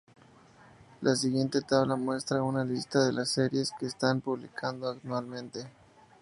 La siguiente tabla muestra una lista de las series que se están publicando actualmente.